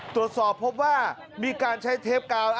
ตรวจสอบพบว่ามีการใช้เทปกาว